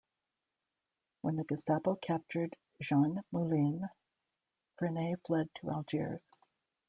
When the Gestapo captured Jean Moulin, Frenay fled to Algiers.